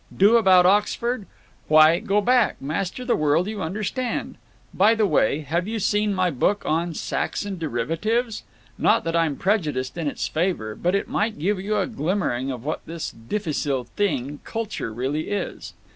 Do about Oxford? Why, go back, master the world you understand. By the way, have you seen my book on Saxon Derivatives? Not that I'm prejudiced in its favor, but it might give you a glimmering of what this difficile thing 'culture' really is."